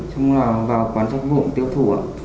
xong là vào quán sách vụ tiêu thủ ạ